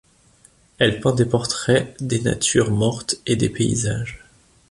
Elle peint des portraits, des natures mortes et des paysages.